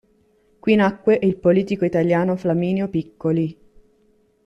Qui nacque il politico italiano Flaminio Piccoli.